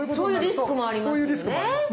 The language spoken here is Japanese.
そういうリスクもありますよね。